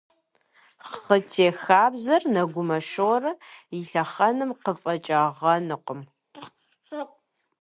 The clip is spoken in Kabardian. Хъытех хабзэр Нэгумэ Шорэ и лъэхъэнэм къыфӀэкӀагъэнукъым.